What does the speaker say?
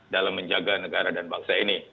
dalam menjaga negara dan bangsa ini